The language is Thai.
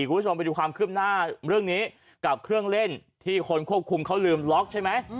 คุณผู้ชมไปดูความคืบหน้าเรื่องนี้กับเครื่องเล่นที่คนควบคุมเขาลืมล็อกใช่ไหม